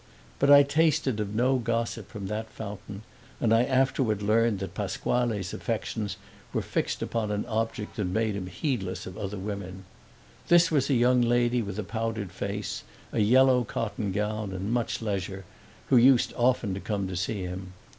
But I tasted of no gossip from that fountain, and I afterward learned that Pasquale's affections were fixed upon an object that made him heedless of other women. This was a young lady with a powdered face, a yellow cotton gown, and much leisure, who used often to come to see him.